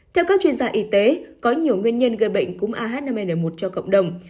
theo các chuyên gia y tế có nhiều nguyên nhân gây bệnh cúm ah năm n một cho cộng đồng